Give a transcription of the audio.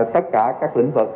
tất cả các lĩnh vực